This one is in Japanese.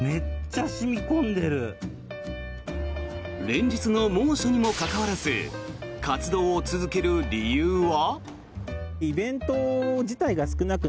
連日の猛暑にもかかわらず活動を続ける理由は。